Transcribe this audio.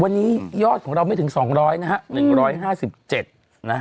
วันนี้ยอดของเราไม่ถึง๒๐๐นะฮะ๑๕๗นะฮะ